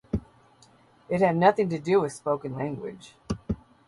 It had nothing to do with spoken language.